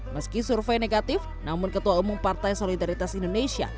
meski survei negatif namun ketua umum partai solidaritas indonesia